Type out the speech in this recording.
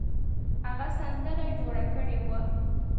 هغه سندره جوړه کړې وه.